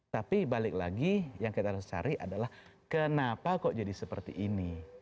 tapi balik lagi yang kita harus cari adalah kenapa kok jadi seperti ini